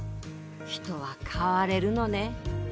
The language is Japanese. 人は変われるのね。